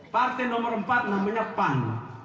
partai nomor empat namanya pan